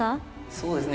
そうですね